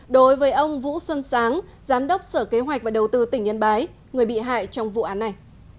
đối với ông vũ xuân sáng giám đốc sở kế hoạch và đầu tư tỉnh yên bái người bị hại trong vụ án này